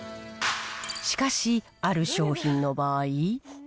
しかし、ある商品の場合。